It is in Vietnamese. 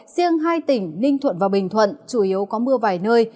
riêng hai tỉnh ninh thuận và bình thuận chủ yếu có mưa vài nơi